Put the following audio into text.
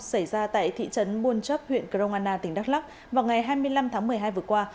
xảy ra tại thị trấn buôn chấp huyện cronana tỉnh đắk lắk vào ngày hai mươi năm tháng một mươi hai vừa qua